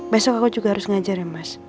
besok aku juga harus ngajarin mas